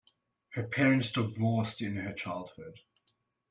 Her parents divorced in her childhood.